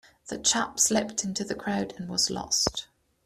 The chap slipped into the crowd and was lost.